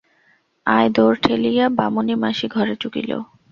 আয়-দোর ঠেলিয়া বামনী মাসি ঘরে চুকিল।